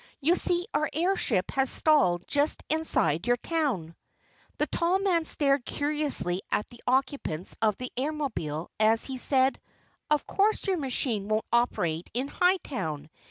You see our airship has stalled just inside your town." The tall man stared curiously at the occupants of the Airmobile as he said: "Of course your machine won't operate in Hightown.